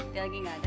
dia lagi gak ada